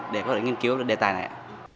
để có thể nghiên cứu về đề tài này